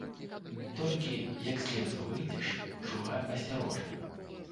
Толькі, як з лесу выйдзеш, шугай асцярожна.